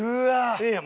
ええやん